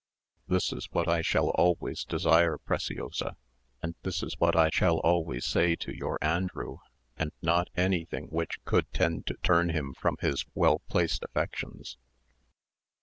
This is what I shall always desire, Preciosa; and this is what I shall always say to your Andrew, and not anything which could tend to turn him from his well placed affections."